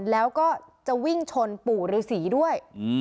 แล้วก็จะวิ่งชนปู่ฤษีด้วย